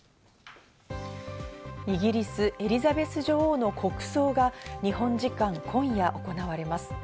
イギリス・エリザベス女王の国葬が日本時間、今夜行われます。